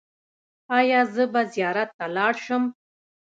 ایا زه به زیارت ته لاړ شم؟